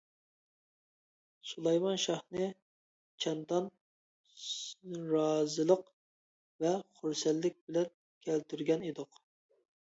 سۇلايمان شاھنى چەندان رازىلىق ۋە خۇرسەنلىك بىلەن كەلتۈرگەن ئىدۇق.